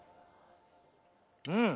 うん！